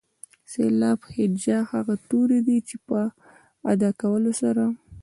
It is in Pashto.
سېلاب هجا هغه توري دي چې په ادا کولو سره.